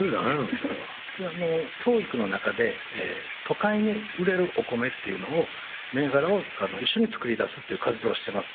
それは教育の中で都会に売れるお米っていうのを銘柄を一緒に作り出すっていう活動してます